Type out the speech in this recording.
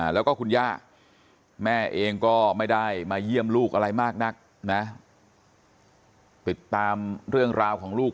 แล้วก็คุณย่าแม่เองก็ไม่ได้มาเยี่ยมลูกอะไรมากนักนะติดตามเรื่องราวของลูก